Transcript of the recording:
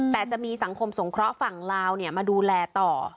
แต่จะมีสังคมสงเคราะห์ฝั่งลาวมาดูแลต่อ